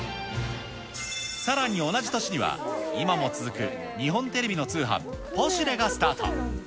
さらに同じ年には今も続く日本テレビの通販、ポシュレがスタート。